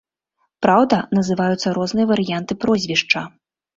Праўда, называюцца розныя варыянты прозвішча.